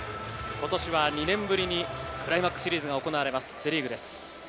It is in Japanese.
今年は２年ぶりにクライマックスシリーズが行われます、セ・リーグです。